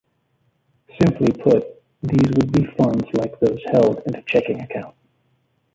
Simply put, these would be funds like those held in a checking account.